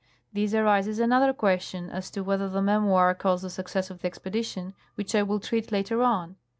There arises another question, as to whether the memoir caused the success of the expedition, which I will treat later on.